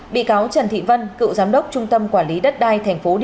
bị cáo trần thị vân cựu giám đốc trung tâm quản lý đất đai tp điện biên phủ tám năm tù